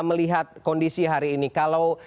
melihat kondisi hari ini kalau